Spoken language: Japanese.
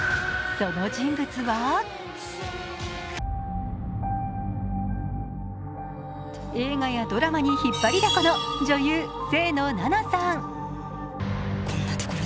その人物は映画やドラマに引っ張りだこの女優・清野菜名さん。